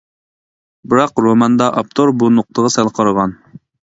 بىراق روماندا ئاپتور بۇ نۇقتىغا سەل قارىغان.